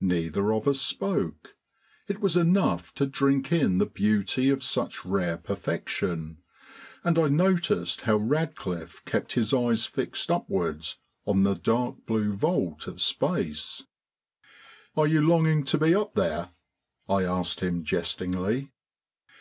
Neither of us spoke; it was enough to drink in the beauty of such rare perfection, and I noticed how Radcliffe kept his eyes fixed upwards on the dark blue vault of space. "Are you longing to be up there?" I asked him jestingly.